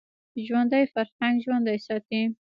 ژوندي فرهنګ ژوندی ساتي